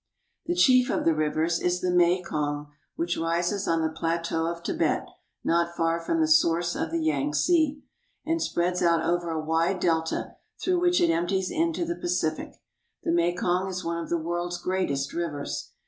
The chief of the rivers is the Mekong (ma kong'), which rises on the plateau of Tibet not far from the source of the Yangtze, and spreads out over a wide delta through which it empties into the Pacific. The Mekong is one of the world's greatest rivers.